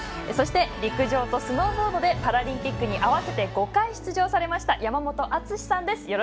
そして、陸上とスノーボードでパラリンピックに合わせて５回出場されました山本篤さんです。